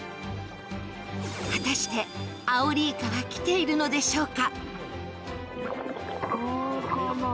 果たして、アオリイカは来ているのでしょうか。